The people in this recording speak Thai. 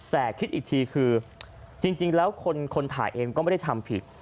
แต่คิดอีกทีคือจริงแล้วคนถ่ายเองก็ไม่ได้ทำผิด